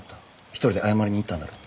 一人で謝りに行ったんだろ？